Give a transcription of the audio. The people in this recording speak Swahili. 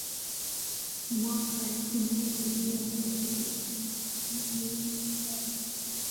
Mwaka elfu moja mia nane hamsini na saba